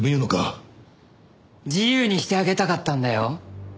自由にしてあげたかったんだよ。